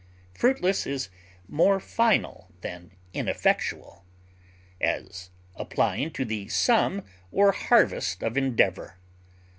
Fruitless is more final than ineffectual, as applying to the sum or harvest of endeavor.